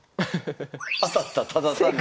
当たったただ単に。